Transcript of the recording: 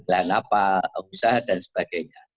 lahan apa usaha dan sebagainya